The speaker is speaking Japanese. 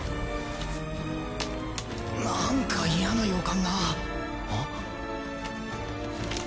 なんか嫌な予感がん？